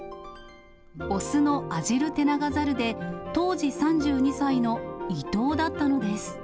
雄のアジルテナガザルで、当時３２歳のイトウだったのです。